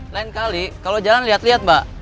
lain kali kalau jalan lihat lihat mbak